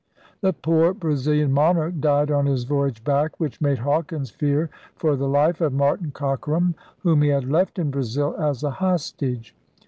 The poor Brazilian monarch died on his voyage back, which made Hawkins fear for the life of Martin Cockeram, whom he had left in Brazil as a hos tage.